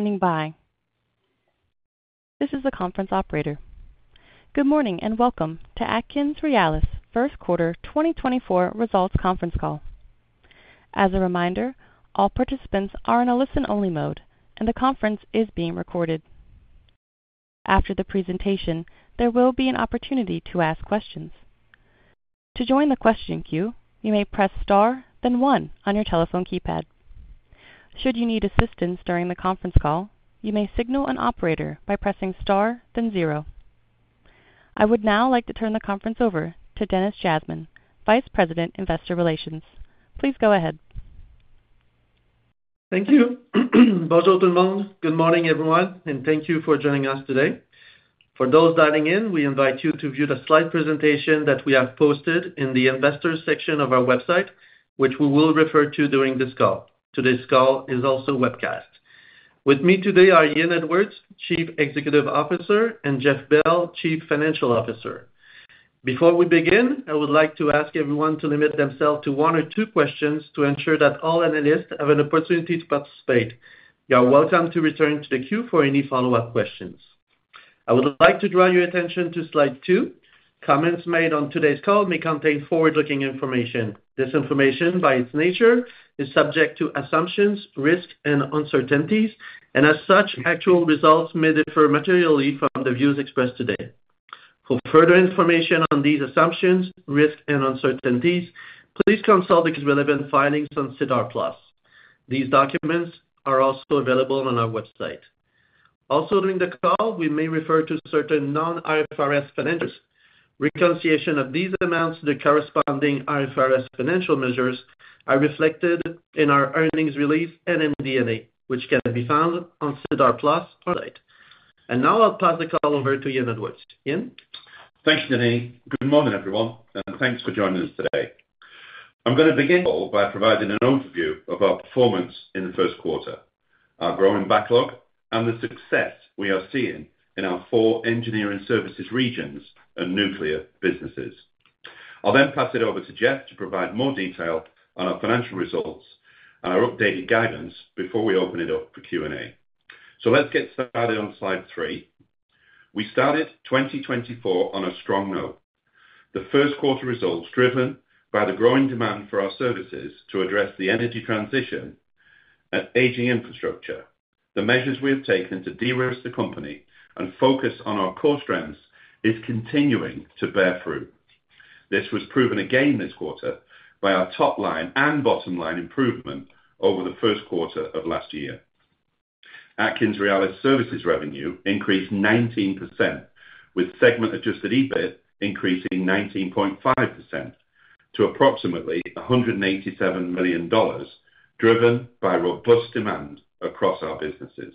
Thank you for standing by. This is the conference operator. Good morning, and welcome to AtkinsRéalis First Quarter 2024 Results Conference Call. As a reminder, all participants are in a listen-only mode, and the conference is being recorded. After the presentation, there will be an opportunity to ask questions. To join the question queue, you may press Star, then one on your telephone keypad. Should you need assistance during the conference call, you may signal an operator by pressing Star, then zero. I would now like to turn the conference over to Denis Jasmin, Vice President, Investor Relations. Please go ahead. Thank you. Bonjour tout le monde. Good morning, everyone, and thank you for joining us today. For those dialing in, we invite you to view the slide presentation that we have posted in the investors section of our website, which we will refer to during this call. Today's call is also webcast. With me today are Ian Edwards, Chief Executive Officer, and Jeff Bell, Chief Financial Officer. Before we begin, I would like to ask everyone to limit themselves to one or two questions to ensure that all analysts have an opportunity to participate. You are welcome to return to the queue for any follow-up questions. I would like to draw your attention to slide two. Comments made on today's call may contain forward-looking information. This information, by its nature, is subject to assumptions, risks and uncertainties, and as such, actual results may differ materially from the views expressed today. For further information on these assumptions, risks and uncertainties, please consult the relevant filings on SEDAR+. These documents are also available on our website. Also, during the call, we may refer to certain non-IFRS financials. Reconciliation of these amounts to the corresponding IFRS financial measures are reflected in our earnings release and in MD&A, which can be found on SEDAR+ site. And now I'll pass the call over to Ian Edwards. Ian? Thank you, Denis. Good morning, everyone, and thanks for joining us today. I'm gonna begin by providing an overview of our performance in the first quarter, our growing backlog, and the success we are seeing in our four engineering services regions and nuclear businesses. I'll then pass it over to Jeff to provide more detail on our financial results and our updated guidance before we open it up for Q&A. So let's get started on slide 3. We started 2024 on a strong note. The first quarter results, driven by the growing demand for our services to address the energy transition and aging infrastructure. The measures we have taken to de-risk the company and focus on our core strengths is continuing to bear fruit. This was proven again this quarter by our top line and bottom line improvement over the first quarter of last year. AtkinsRéalis services revenue increased 19%, with segment-adjusted EBIT increased 19.5% to approximately 187 million dollars, driven by robust demand across our businesses.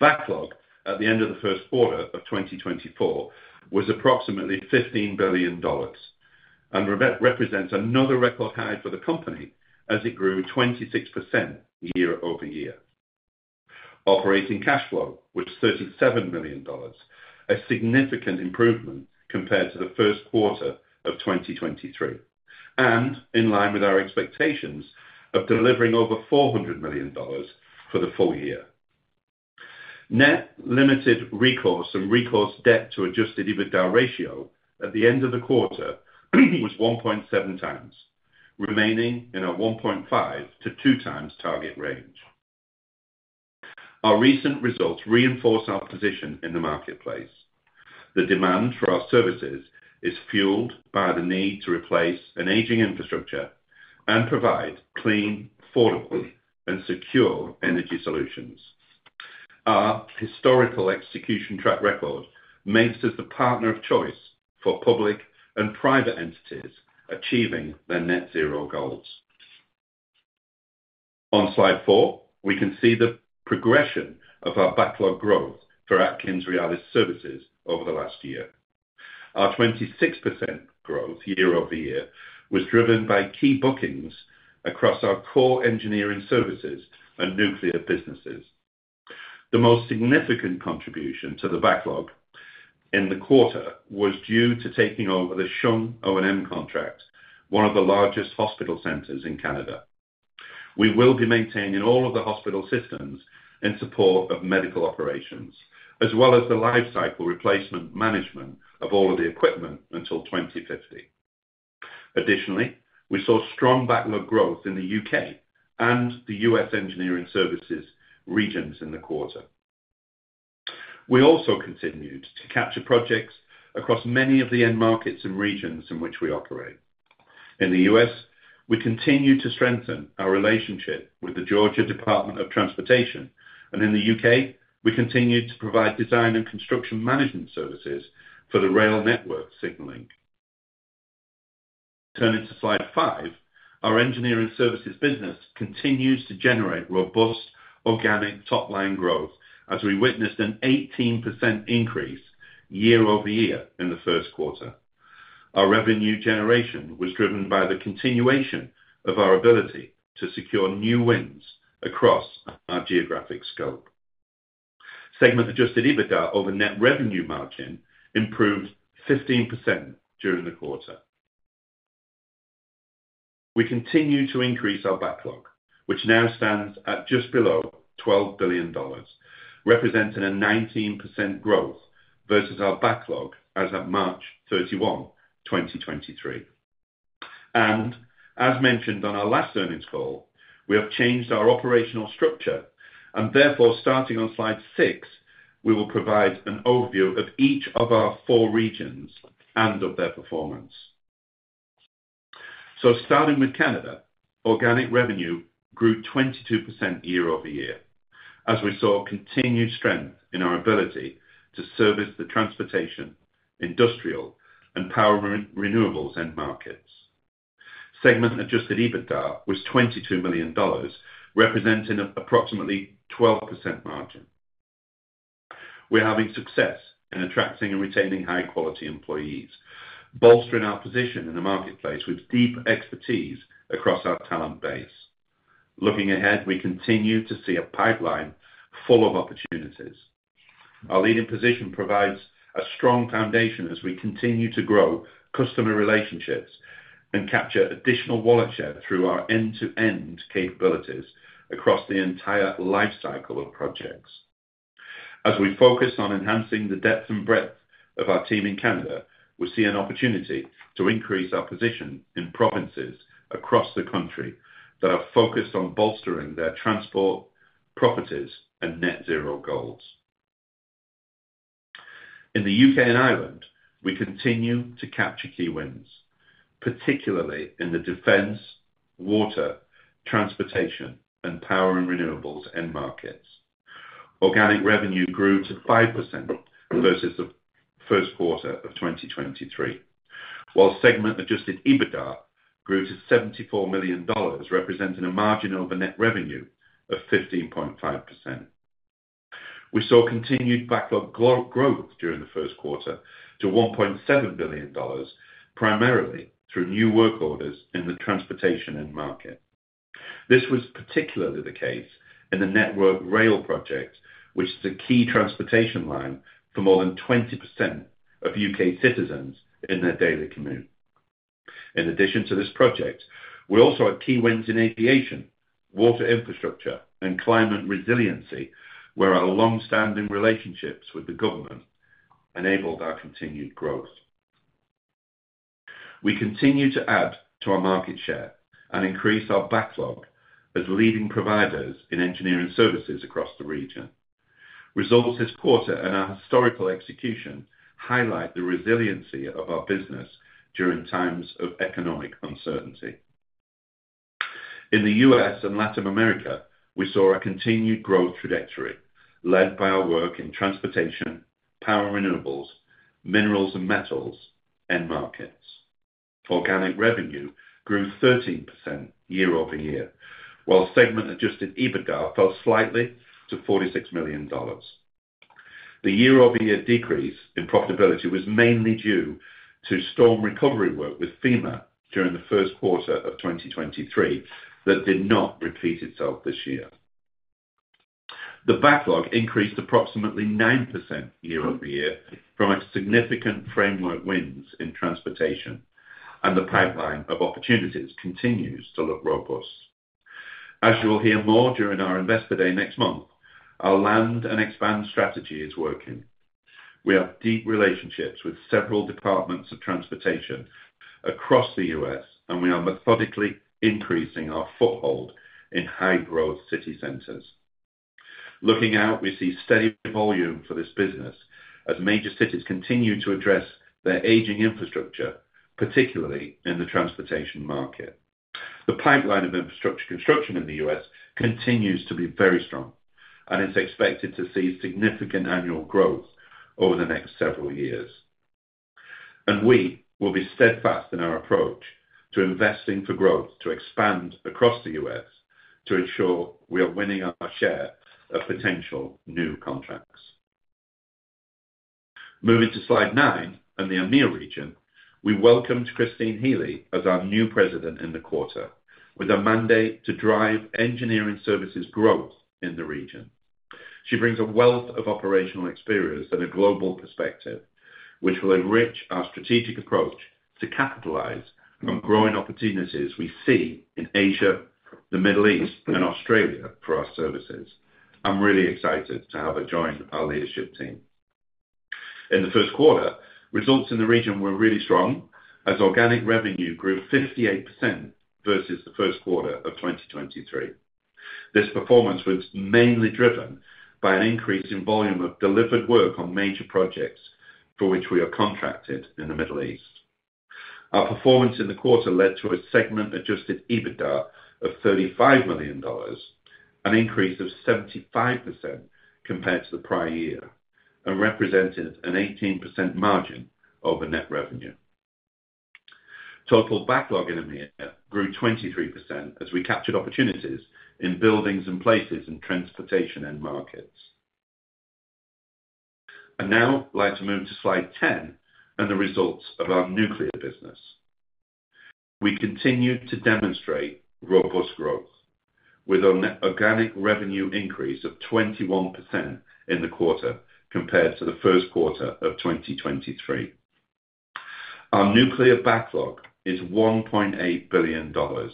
Backlog at the end of the first quarter of 2024 was approximately 15 billion dollars and represents another record high for the company as it grew 26% year-over-year. Operating cash flow was 37 million dollars, a significant improvement compared to the first quarter of 2023, and in line with our expectations of delivering over 400 million dollars for the full year. Net limited recourse and recourse debt to adjusted EBITDA ratio at the end of the quarter was 1.7 times, remaining in our 1.5-2 times target range. Our recent results reinforce our position in the marketplace. The demand for our services is fueled by the need to replace an aging infrastructure and provide clean, affordable, and secure energy solutions. Our historical execution track record makes us the partner of choice for public and private entities achieving their net zero goals. On slide 4, we can see the progression of our backlog growth for AtkinsRéalis services over the last year. Our 26% growth year-over-year was driven by key bookings across our core engineering services and nuclear businesses. The most significant contribution to the backlog in the quarter was due to taking over the CHUM O&M contract, one of the largest hospital centers in Canada. We will be maintaining all of the hospital systems in support of medical operations, as well as the lifecycle replacement management of all of the equipment until 2050. Additionally, we saw strong backlog growth in the U.K. and the U.S. engineering services regions in the quarter. We also continued to capture projects across many of the end markets and regions in which we operate. In the U.S., we continue to strengthen our relationship with the Georgia Department of Transportation, and in the U.K., we continue to provide design and construction management services for the rail network signaling. Turning to slide 5, our engineering services business continues to generate robust organic top-line growth, as we witnessed an 18% increase year-over-year in the first quarter. Our revenue generation was driven by the continuation of our ability to secure new wins across our geographic scope. Segment-adjusted EBITDA over net revenue margin improved 15% during the quarter. We continue to increase our backlog, which now stands at just below 12 billion dollars, representing a 19% growth versus our backlog as of March 31, 2023. As mentioned on our last earnings call, we have changed our operational structure and therefore, starting on slide 6, we will provide an overview of each of our four regions and of their performance. Starting with Canada, organic revenue grew 22% year-over-year, as we saw continued strength in our ability to service the transportation, industrial, and power, renewables end markets. Segment adjusted EBITDA was 22 million dollars, representing approximately 12% margin. We're having success in attracting and retaining high quality employees, bolstering our position in the marketplace with deep expertise across our talent base. Looking ahead, we continue to see a pipeline full of opportunities. Our leading position provides a strong foundation as we continue to grow customer relationships and capture additional wallet share through our end-to-end capabilities across the entire life cycle of projects. As we focus on enhancing the depth and breadth of our team in Canada, we see an opportunity to increase our position in provinces across the country that are focused on bolstering their transport, properties, and net zero goals. In the U.K. and Ireland, we continue to capture key wins, particularly in the defense, water, transportation, and power and renewables end markets. Organic revenue grew 5% versus the first quarter of 2023, while segment-adjusted EBITDA grew to 74 million dollars, representing a margin over net revenue of 15.5%. We saw continued backlog growth during the first quarter to 1.7 billion dollars, primarily through new work orders in the transportation end market. This was particularly the case in the Network Rail project, which is a key transportation line for more than 20% of U.K. citizens in their daily commute. In addition to this project, we also have key wins in aviation, water infrastructure, and climate resiliency, where our long-standing relationships with the government enabled our continued growth. We continue to add to our market share and increase our backlog as leading providers in engineering services across the region. Results this quarter and our historical execution highlight the resiliency of our business during times of economic uncertainty. In the U.S. and Latin America, we saw a continued growth trajectory led by our work in transportation, power and renewables, minerals and metals, end markets. Organic revenue grew 13% year-over-year, while segment-adjusted EBITDA fell slightly to 46 million dollars. The year-over-year decrease in profitability was mainly due to storm recovery work with FEMA during the first quarter of 2023, that did not repeat itself this year. The backlog increased approximately 9% year-over-year from a significant framework wins in transportation, and the pipeline of opportunities continues to look robust. As you will hear more during our Investor Day next month, our land and expand strategy is working. We have deep relationships with several departments of transportation across the U.S., and we are methodically increasing our foothold in high-growth city centers. Looking out, we see steady volume for this business as major cities continue to address their aging infrastructure, particularly in the transportation market. The pipeline of infrastructure construction in the U.S. continues to be very strong, and is expected to see significant annual growth over the next several years. We will be steadfast in our approach to investing for growth, to expand across the U.S., to ensure we are winning our share of potential new contracts. Moving to slide nine and the AMEA region, we welcomed Christine Healy as our new president in the quarter, with a mandate to drive engineering services growth in the region. She brings a wealth of operational experience and a global perspective, which will enrich our strategic approach to capitalize on growing opportunities we see in Asia, the Middle East, and Australia for our services. I'm really excited to have her join our leadership team. In the first quarter, results in the region were really strong, as organic revenue grew 58% versus the first quarter of 2023. This performance was mainly driven by an increase in volume of delivered work on major projects for which we are contracted in the Middle East. Our performance in the quarter led to a segment-adjusted EBITDA of 35 million dollars, an increase of 75% compared to the prior year, and represented an 18% margin over net revenue. Total backlog inAMEA grew 23% as we captured opportunities in buildings and places and transportation end markets. I'd now like to move to slide 10 and the results of our nuclear business. We continue to demonstrate robust growth... with our organic revenue increase of 21% in the quarter compared to the first quarter of 2023. Our nuclear backlog is 1.8 billion dollars,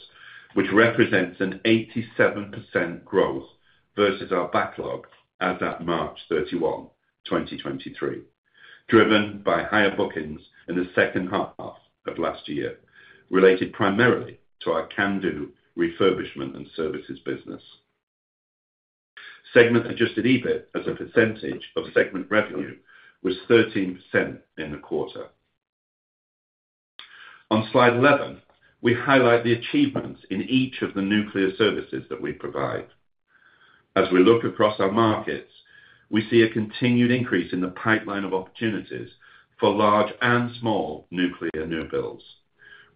which represents an 87% growth versus our backlog as at March 31, 2023, driven by higher bookings in the second half of last year, related primarily to our CANDU refurbishment and services business. Segment adjusted EBIT as a percentage of segment revenue was 13% in the quarter. On slide 11, we highlight the achievements in each of the nuclear services that we provide. As we look across our markets, we see a continued increase in the pipeline of opportunities for large and small nuclear new builds.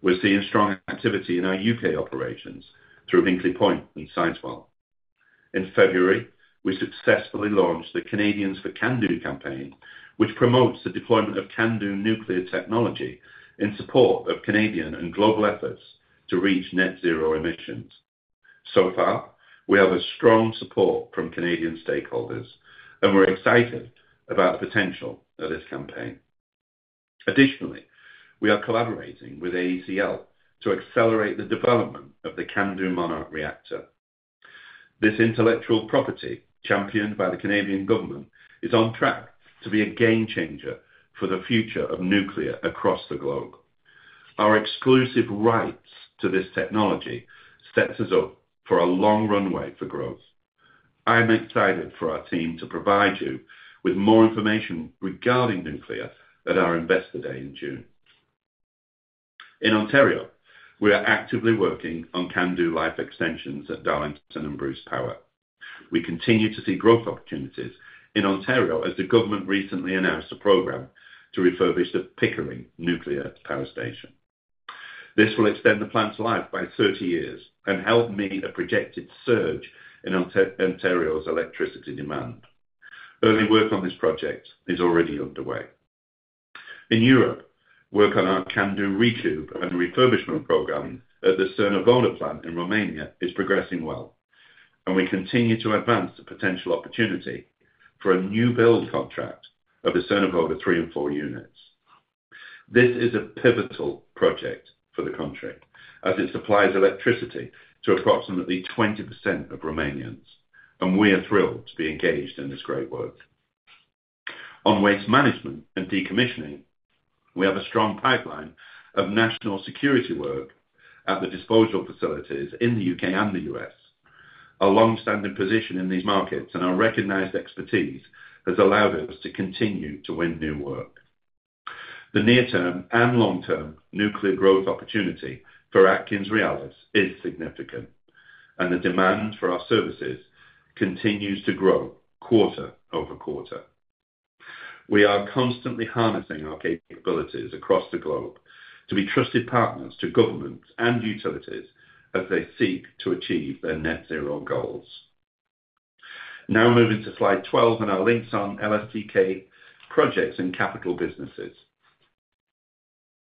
We're seeing strong activity in our U.K. operations through Hinkley Point and Sizewell. In February, we successfully launched the Canadians for CANDU campaign, which promotes the deployment of CANDU nuclear technology in support of Canadian and global efforts to reach Net Zero emissions. So far, we have a strong support from Canadian stakeholders, and we're excited about the potential of this campaign. Additionally, we are collaborating with AECL to accelerate the development of the CANDU Monark reactor. This intellectual property, championed by the Canadian government, is on track to be a game changer for the future of nuclear across the globe. Our exclusive rights to this technology sets us up for a long runway for growth. I am excited for our team to provide you with more information regarding nuclear at our Investor Day in June. In Ontario, we are actively working on CANDU life extensions at Darlington and Bruce Power. We continue to see growth opportunities in Ontario as the government recently announced a program to refurbish the Pickering Nuclear Power Station. This will extend the plant's life by 30 years and help meet a projected surge in Ontario's electricity demand. Early work on this project is already underway. In Europe, work on our CANDU retube and refurbishment program at the Cernavodă plant in Romania is progressing well, and we continue to advance the potential opportunity for a new build contract of the Cernavodă 3 and Cernavodă 4 units. This is a pivotal project for the country as it supplies electricity to approximately 20% of Romanians, and we are thrilled to be engaged in this great work. On waste management and decommissioning, we have a strong pipeline of national security work at the disposal facilities in the U.K. and the U.S. Our long-standing position in these markets and our recognized expertise has allowed us to continue to win new work. The near-term and long-term nuclear growth opportunity for AtkinsRéalis is significant, and the demand for our services continues to grow quarter-over-quarter. We are constantly harnessing our capabilities across the globe to be trusted partners to governments and utilities as they seek to achieve their Net Zero goals. Now moving to slide 12 on our Linxon LSTK projects and capital businesses.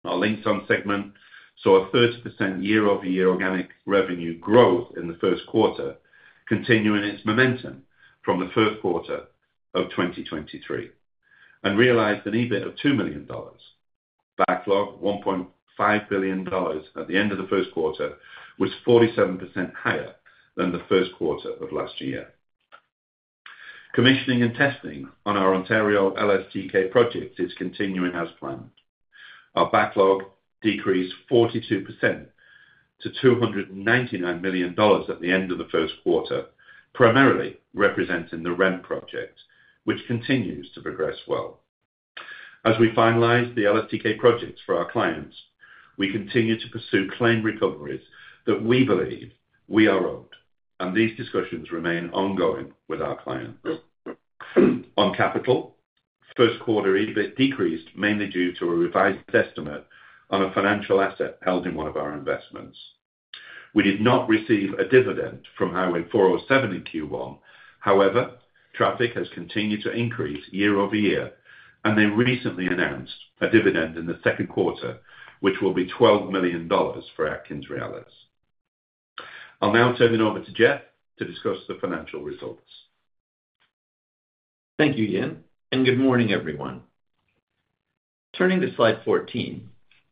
Our Linxon segment saw a 30% year-over-year organic revenue growth in the first quarter, continuing its momentum from the first quarter of 2023, and realized an EBIT of 2 million dollars. Backlog 1.5 billion dollars at the end of the first quarter was 47% higher than the first quarter of last year. Commissioning and testing on our Ontario LSTK project is continuing as planned. Our backlog decreased 42% to 299 million dollars at the end of the first quarter, primarily representing the REM project, which continues to progress well. As we finalize the LSTK projects for our clients, we continue to pursue claim recoveries that we believe we are owed, and these discussions remain ongoing with our clients. On capital, first quarter EBIT decreased, mainly due to a revised estimate on a financial asset held in one of our investments. We did not receive a dividend from Highway 407 in Q1. However, traffic has continued to increase year-over-year, and they recently announced a dividend in the second quarter, which will be 12 million dollars for AtkinsRéalis. I'll now turn it over to Jeff to discuss the financial results. Thank you, Ian, and good morning, everyone. Turning to slide 14,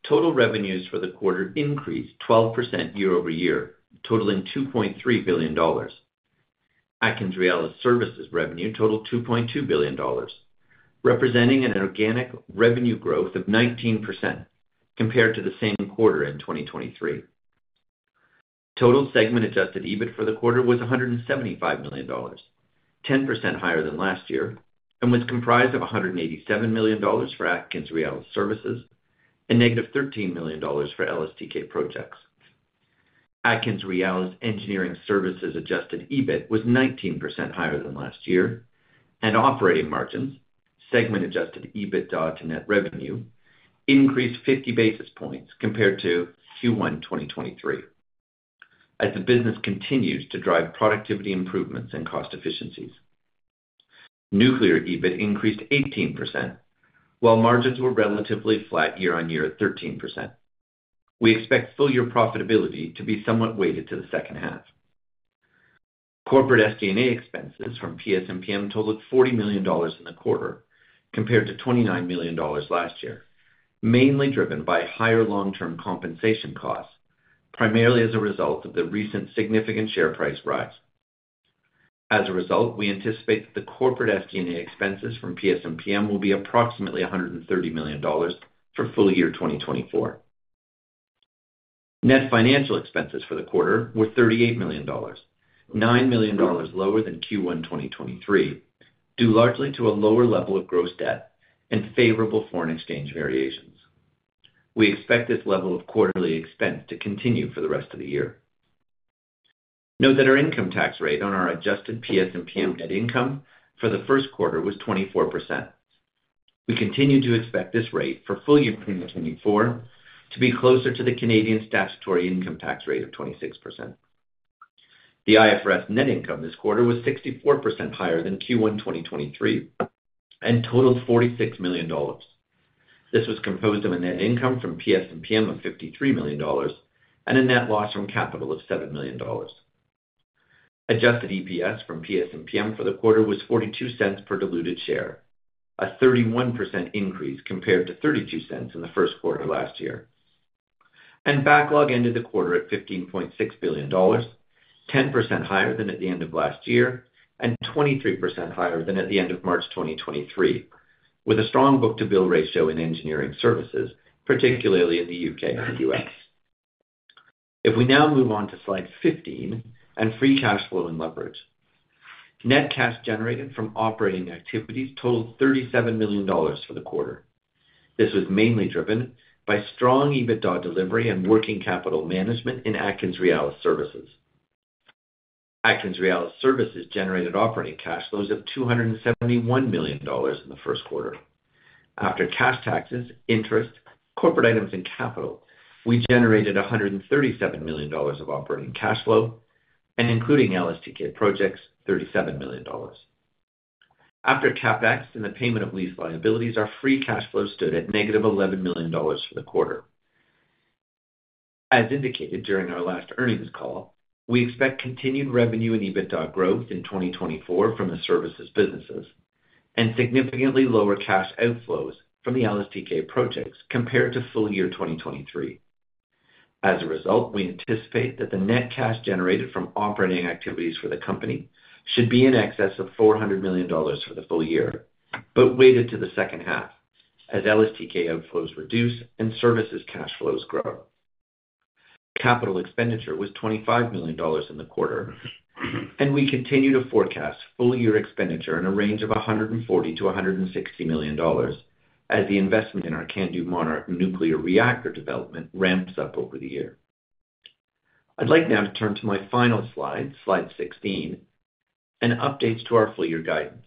total revenues for the quarter increased 12% year-over-year, totaling 2.3 billion dollars. AtkinsRéalis Services revenue totaled 2.2 billion dollars, representing an organic revenue growth of 19% compared to the same quarter in 2023. Total segment adjusted EBIT for the quarter was 175 million dollars, 10% higher than last year, and was comprised of 187 million dollars for AtkinsRéalis Services and negative 13 million dollars for LSTK Projects. AtkinsRéalis Engineering Services adjusted EBIT was 19% higher than last year, and operating margins, segment adjusted EBIT to net revenue, increased 50 basis points compared to Q1 2023 as the business continues to drive productivity improvements and cost efficiencies.... Nuclear EBIT increased 18%, while margins were relatively flat year-on-year at 13%. We expect full year profitability to be somewhat weighted to the second half. Corporate SG&A expenses from PS&PM totaled 40 million dollars in the quarter, compared to 29 million dollars last year, mainly driven by higher long-term compensation costs, primarily as a result of the recent significant share price rise. As a result, we anticipate that the corporate SG&A expenses from PS&PM will be approximately 130 million dollars for full year 2024. Net financial expenses for the quarter were 38 million dollars, 9 million dollars lower than Q1 2023, due largely to a lower level of gross debt and favorable foreign exchange variations. We expect this level of quarterly expense to continue for the rest of the year. Note that our income tax rate on our adjusted PS&PM net income for the first quarter was 24%. We continue to expect this rate for full year 2024 to be closer to the Canadian statutory income tax rate of 26%. The IFRS net income this quarter was 64% higher than Q1 2023, and totaled 46 million dollars. This was composed of a net income from PS&PM of 53 million dollars and a net loss from capital of 7 million dollars. Adjusted EPS from PS&PM for the quarter was 0.42 per diluted share, a 31% increase compared to 0.32 in the first quarter of last year. Backlog ended the quarter at 15.6 billion dollars, 10% higher than at the end of last year and 23% higher than at the end of March 2023, with a strong book-to-bill ratio in engineering services, particularly in the U.K. and the U.S.. If we now move on to slide 15 and free cash flow and leverage. Net cash generated from operating activities totaled 37 million dollars for the quarter. This was mainly driven by strong EBITDA delivery and working capital management in AtkinsRéalis Services. AtkinsRéalis Services generated operating cash flows of 271 million dollars in the first quarter. After cash taxes, interest, corporate items, and capital, we generated 137 million dollars of operating cash flow, and including LSTK projects, 37 million dollars. After CapEx and the payment of lease liabilities, our free cash flow stood at -11 million dollars for the quarter. As indicated during our last earnings call, we expect continued revenue and EBITDA growth in 2024 from the services businesses, and significantly lower cash outflows from the LSTK projects compared to full year 2023. As a result, we anticipate that the net cash generated from operating activities for the company should be in excess of 400 million dollars for the full year, but weighted to the second half as LSTK outflows reduce and services cash flows grow. Capital expenditure was 25 million dollars in the quarter, and we continue to forecast full year expenditure in a range of 140 million-160 million dollars as the investment in our CANDU Monark nuclear reactor development ramps up over the year. I'd like now to turn to my final slide, slide 16, and updates to our full year guidance.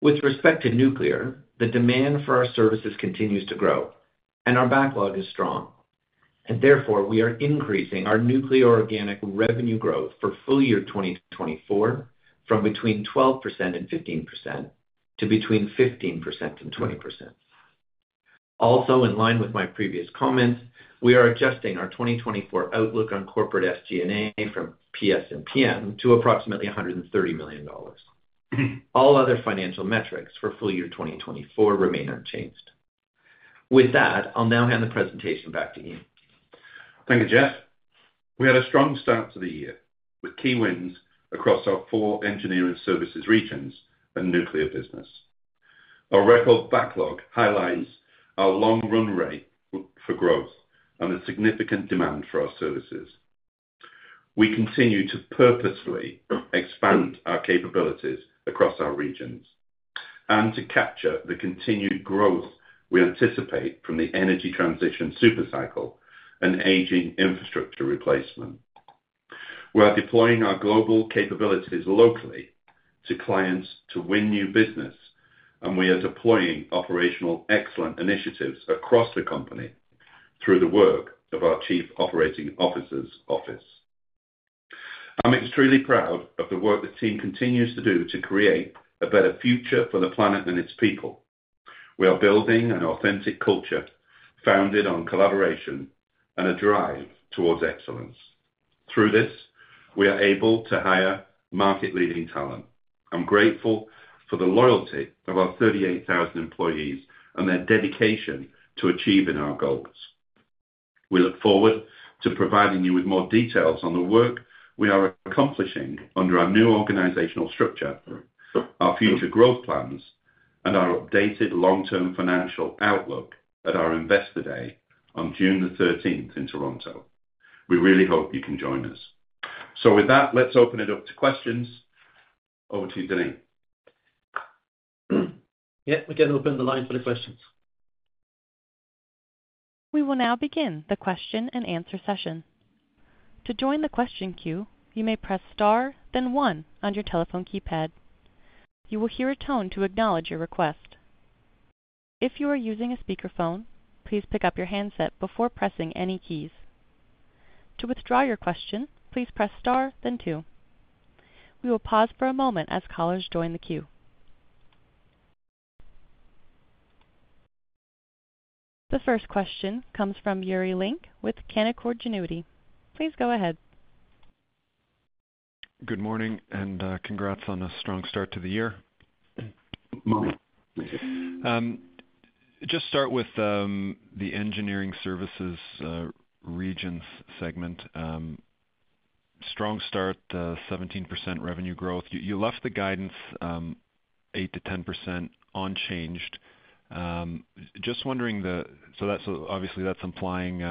With respect to nuclear, the demand for our services continues to grow and our backlog is strong, and therefore we are increasing our nuclear organic revenue growth for full year 2024 from between 12%-15% to between 15%-20%. Also, in line with my previous comments, we are adjusting our 2024 outlook on corporate SG&A from PS&PM to approximately 130 million dollars. All other financial metrics for full year 2024 remain unchanged. With that, I'll now hand the presentation back to Ian. Thank you, Jeff. We had a strong start to the year, with key wins across our four engineering services regions and nuclear business. Our record backlog highlights our long run rate for growth and the significant demand for our services. We continue to purposefully expand our capabilities across our regions and to capture the continued growth we anticipate from the energy transition super cycle and aging infrastructure replacement. We are deploying our global capabilities locally to clients to win new business, and we are deploying operational excellence initiatives across the company through the work of our Chief Operating Officer's office. I'm extremely proud of the work the team continues to do to create a better future for the planet and its people. We are building an authentic culture founded on collaboration and a drive towards excellence. Through this, we are able to hire market-leading talent. I'm grateful for the loyalty of our 38,000 employees and their dedication to achieving our goals. We look forward to providing you with more details on the work we are accomplishing under our new organizational structure, our future growth plans, and our updated long-term financial outlook at our Investor Day on June the 13th in Toronto. We really hope you can join us. With that, let's open it up to questions. Over to you, Denis. Yeah, we can open the line for the questions. We will now begin the question-and-answer session. To join the question queue, you may press Star, then one on your telephone keypad. You will hear a tone to acknowledge your request.... If you are using a speakerphone, please pick up your handset before pressing any keys. To withdraw your question, please press star then two. We will pause for a moment as callers join the queue. The first question comes from Yuri Lynk with Canaccord Genuity. Please go ahead. Good morning, and congrats on a strong start to the year. Morning. Just start with the engineering services regions segment. Strong start, 17% revenue growth. You left the guidance 8%-10% unchanged. Just wondering, so that's, obviously that's implying,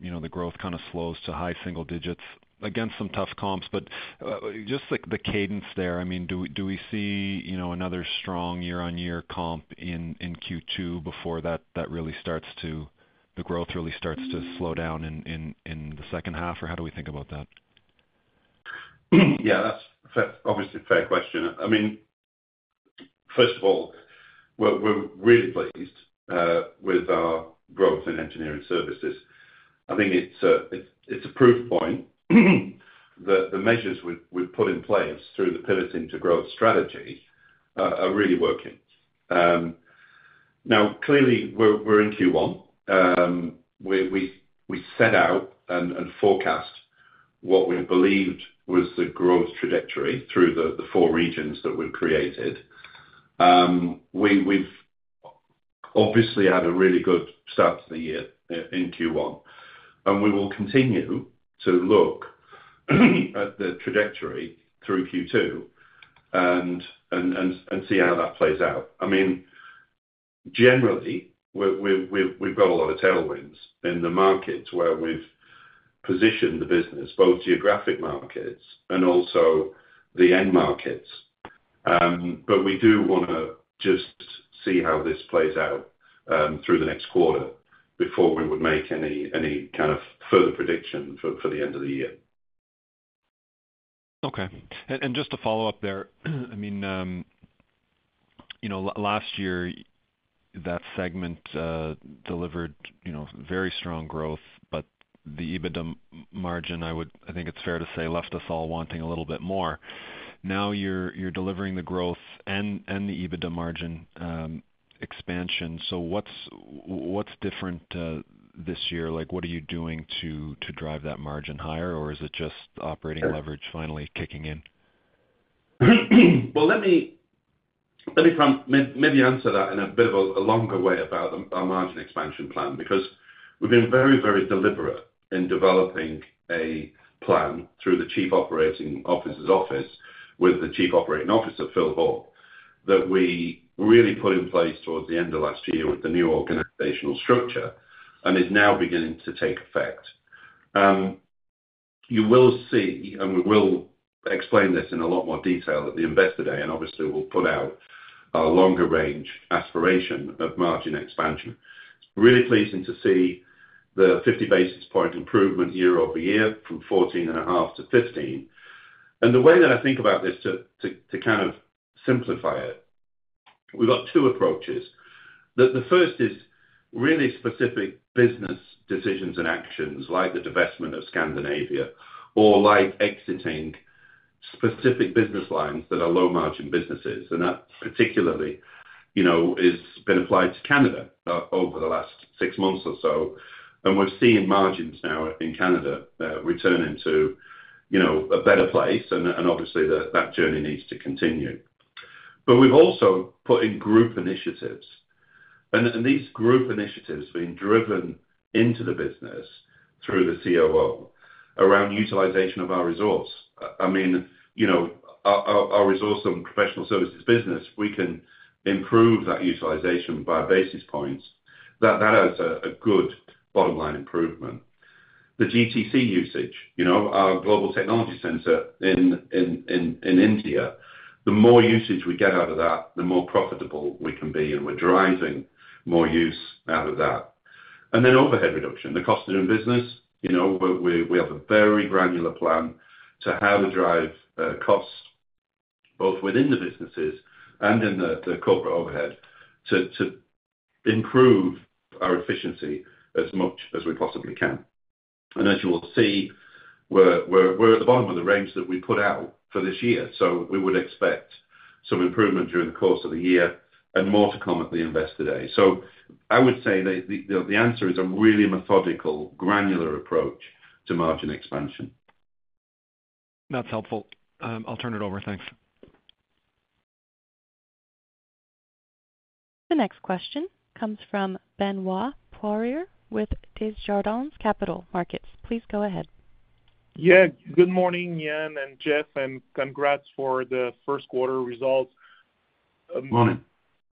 you know, the growth kind of slows to high single digits against some tough comps, but just like the cadence there, I mean, do we see, you know, another strong year-on-year comp in Q2 before that really starts to the growth really starts to slow down in the second half, or how do we think about that? Yeah, that's fair, obviously a fair question. I mean, first of all, we're really pleased with our growth in engineering services. I think it's a proof point that the measures we've put in place through the Pivoting to Growth strategy are really working. Now, clearly, we're in Q1. We set out and forecast what we believed was the growth trajectory through the four regions that we've created. We've obviously had a really good start to the year in Q1, and we will continue to look at the trajectory through Q2 and see how that plays out. I mean, generally, we've got a lot of tailwinds in the markets where we've positioned the business, both geographic markets and also the end markets. But we do wanna just see how this plays out through the next quarter before we would make any kind of further prediction for the end of the year. Okay. And, and just to follow up there, I mean, you know, last year that segment delivered, you know, very strong growth, but the EBITDA margin, I think it's fair to say, left us all wanting a little bit more. Now, you're, you're delivering the growth and, and the EBITDA margin expansion. So what's different this year? Like, what are you doing to, to drive that margin higher, or is it just operating leverage finally kicking in? Well, let me kind of maybe answer that in a bit of a longer way about our margin expansion plan, because we've been very, very deliberate in developing a plan through the Chief Operating Officer's office, with the Chief Operating Officer, Phil Hoare, that we really put in place towards the end of last year with the new organizational structure, and is now beginning to take effect. You will see, and we will explain this in a lot more detail at the Investor Day, and obviously we'll put out our longer range aspiration of margin expansion. It's really pleasing to see the 50 basis point improvement year-over-year, from 14.5 to 15. And the way that I think about this to kind of simplify it, we've got two approaches. The first is really specific business decisions and actions, like the divestment of Scandinavia or like exiting specific business lines that are low margin businesses, and that particularly, you know, has been applied to Canada over the last six months or so. And we're seeing margins now in Canada returning to, you know, a better place, and obviously, that journey needs to continue. But we've also put in group initiatives, and these group initiatives are being driven into the business through the COO around utilization of our resource. I mean, you know, our resource on professional services business, we can improve that utilization by basis points. That adds a good bottom line improvement. The GTC usage, you know, our Global Technology Center in India, the more usage we get out of that, the more profitable we can be, and we're driving more use out of that. And then overhead reduction, the cost of doing business. You know, we have a very granular plan to how to drive costs, both within the businesses and in the corporate overhead, to improve our efficiency as much as we possibly can. And as you will see, we're at the bottom of the range that we put out for this year, so we would expect some improvement during the course of the year and more to come at the Investor Day. So I would say that the answer is a really methodical, granular approach to margin expansion. That's helpful. I'll turn it over. Thanks. The next question comes from Benoit Poirier with Desjardins Capital Markets. Please go ahead. Yeah, good morning, Ian and Jeff, and congrats for the first quarter results. Morning.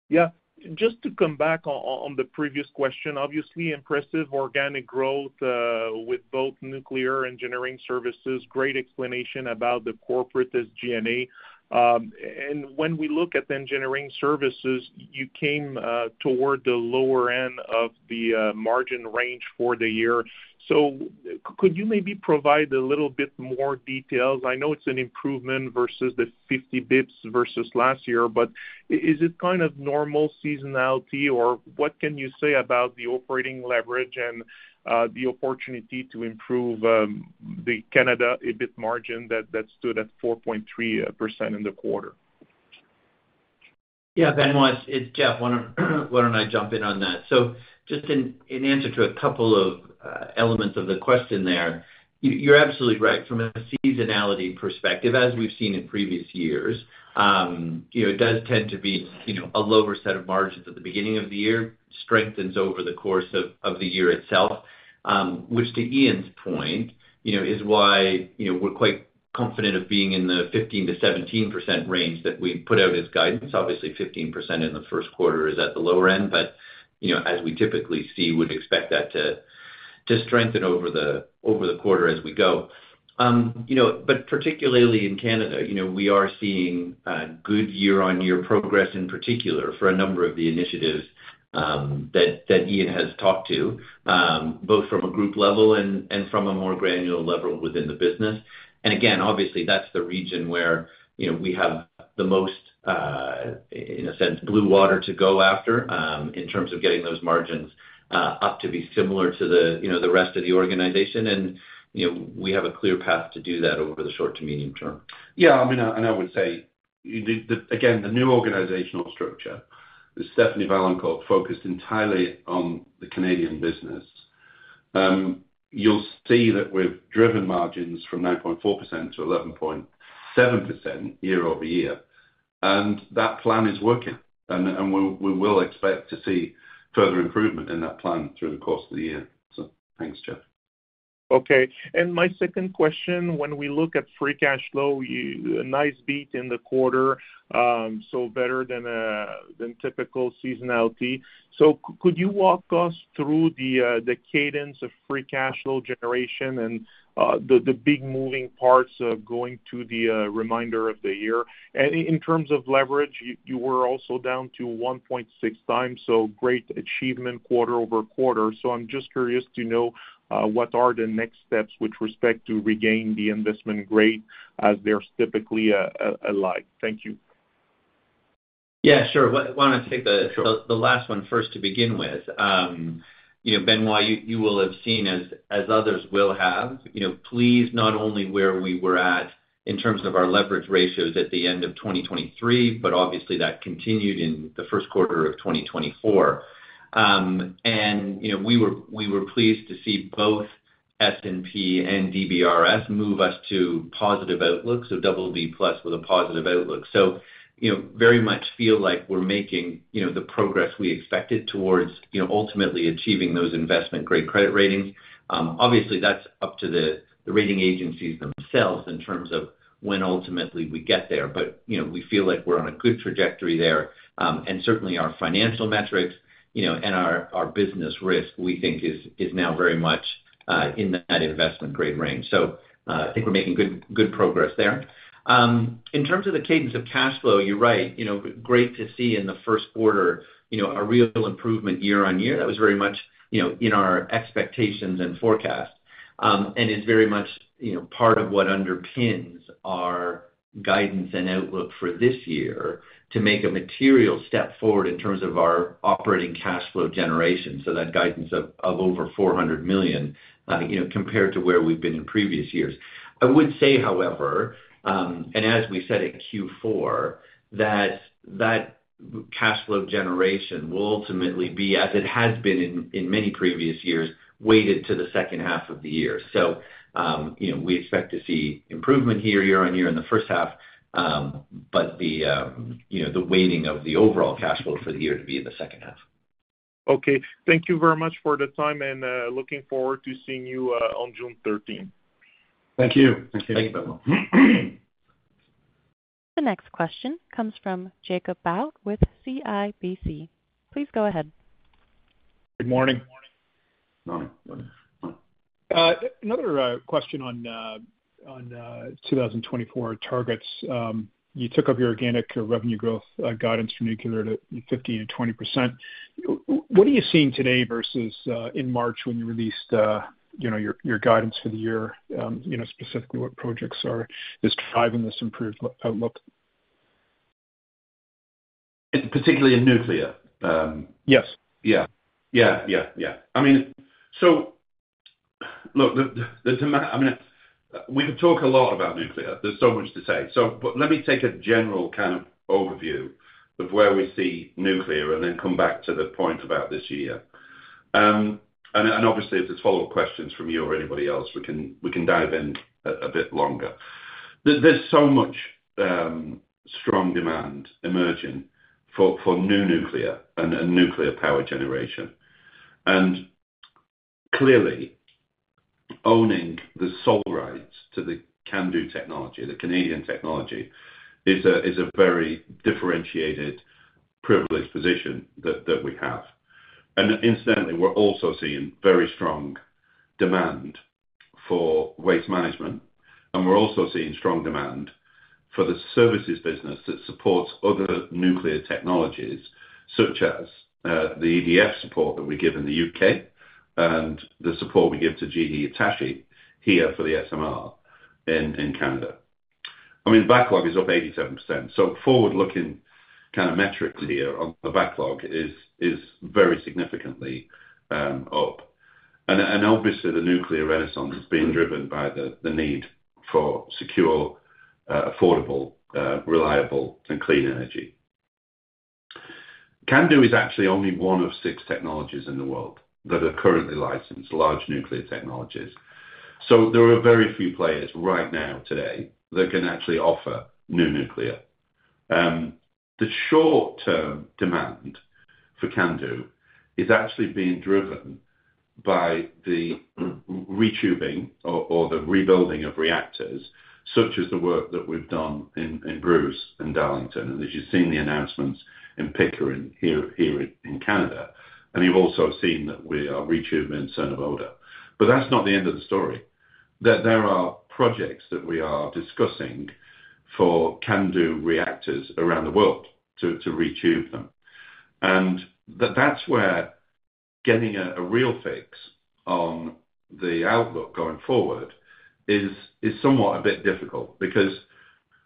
Yeah. Just to come back on the previous question, obviously, impressive organic growth with both nuclear engineering services. Great explanation about the corporate SG&A. And when we look at the engineering services, you came toward the lower end of the margin range for the year. So could you maybe provide a little bit more details? I know it's an improvement versus the 50 basis points versus last year, but is it kind of normal seasonality? Or what can you say about the operating leverage and the opportunity to improve the Canada EBIT margin that stood at 4.3% in the quarter? Yeah, Benoit, it's Jeff. Why don't I jump in on that? So just in answer to a couple of elements of the question there, you're absolutely right. From a seasonality perspective, as we've seen in previous years, you know, it does tend to be, you know, a lower set of margins at the beginning of the year, strengthens over the course of the year itself. Which, to Ian's point, you know, is why, you know, we're quite confident of being in the 15%-17% range that we put out as guidance. Obviously, 15% in the first quarter is at the lower end, but, you know, as we typically see, would expect that to strengthen over the quarter as we go. You know, but particularly in Canada, you know, we are seeing good year-on-year progress, in particular, for a number of the initiatives, that Ian has talked to, both from a group level and from a more granular level within the business. And again, obviously, that's the region where, you know, we have the most, in a sense, blue water to go after, in terms of getting those margins up to be similar to the, you know, the rest of the organization. And, you know, we have a clear path to do that over the short to medium term. Yeah, I mean, and I would say, again, the new organizational structure, with Stéphanie Vaillancourt focused entirely on the Canadian business, you'll see that we've driven margins from 9.4%-11.7% year-over-year, and that plan is working. And we'll... We will expect to see further improvement in that plan through the course of the year. So thanks, Jeff. Okay. And my second question: When we look at free cash flow, a nice beat in the quarter, so better than typical seasonality. So could you walk us through the cadence of free cash flow generation and the big moving parts of going to the remainder of the year? And in terms of leverage, you were also down to 1.6 times, so great achievement quarter-over-quarter. So I'm just curious to know what are the next steps with respect to regain the investment grade, as there's typically a like? Thank you. Yeah, sure. Why don't I take the- Sure... last one first to begin with? You know, Benoit, you will have seen, as others will have, you know, pleased not only where we were at in terms of our leverage ratios at the end of 2023, but obviously that continued in the first quarter of 2024. And, you know, we were pleased to see both S&P and DBRS move us to positive outlook, so BB+ with a positive outlook. So, you know, very much feel like we're making, you know, the progress we expected towards, you know, ultimately achieving those investment-grade credit ratings. Obviously, that's up to the rating agencies themselves in terms of when ultimately we get there. But, you know, we feel like we're on a good trajectory there. And certainly, our financial metrics, you know, and our, our business risk, we think is, is now very much in that investment-grade range. So, I think we're making good, good progress there. In terms of the cadence of cash flow, you're right. You know, great to see in the first quarter, you know, a real improvement year-on-year. That was very much, you know, in our expectations and forecasts. And it's very much, you know, part of what underpins our guidance and outlook for this year, to make a material step forward in terms of our operating cash flow generation, so that guidance of over 400 million, you know, compared to where we've been in previous years. I would say, however, and as we said in Q4, that that cash flow generation will ultimately be, as it has been in, in many previous years, weighted to the second half of the year. So, you know, we expect to see improvement here year on year in the first half, but the, you know, the weighting of the overall cash flow for the year to be in the second half. Okay. Thank you very much for the time, and looking forward to seeing you on June 13th. Thank you. Thank you. The next question comes from Jacob Bout with CIBC. Please go ahead. Good morning. Morning. Another question on 2024 targets. You took up your organic revenue growth guidance from nuclear to 50 and 20%. What are you seeing today versus in March when you released, you know, your guidance for the year? You know, specifically what projects are driving this improved outlook? Particularly in nuclear? Yes. Yeah. Yeah, yeah, yeah. I mean, so look, I mean, we can talk a lot about nuclear. There's so much to say. So but let me take a general kind of overview of where we see nuclear and then come back to the point about this year. And obviously, if there's follow-up questions from you or anybody else, we can dive in a bit longer. There's so much strong demand emerging for new nuclear and nuclear power generation. And clearly, owning the sole rights to the CANDU technology, the Canadian technology, is a very differentiated, privileged position that we have. And incidentally, we're also seeing very strong demand for waste management, and we're also seeing strong demand for the services business that supports other nuclear technologies, such as the EDF support that we give in the U.K. and the support we give to GE Hitachi here for the SMR in Canada. I mean, backlog is up 87%, so forward-looking kind of metrics here on the backlog is very significantly up. And obviously, the nuclear renaissance is being driven by the need for secure, affordable, reliable, and clean energy. CANDU is actually only one of six technologies in the world that are currently licensed, large nuclear technologies. So there are very few players right now today that can actually offer new nuclear. The short-term demand for CANDU is actually being driven by the retubing or the rebuilding of reactors, such as the work that we've done in Bruce and Darlington. And as you've seen, the announcements in Pickering here in Canada, and you've also seen that we are retubing in Cernavodă. But that's not the end of the story. There are projects that we are discussing for CANDU reactors around the world to retube them. And that's where getting a real fix on the outlook going forward is somewhat a bit difficult because